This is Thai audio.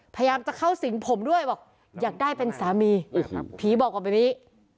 พยายามจะเข้าสิงผมด้วยบอกอยากได้เป็นสามีผีบอกก่อนแบบนี้